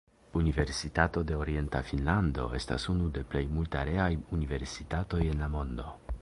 Universitato de Orienta Finnlando estas unu de plej multareaj universitatoj en la mondo.